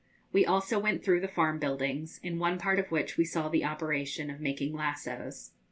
We also went through the farm buildings, in one part of which we saw the operation of making lassoes.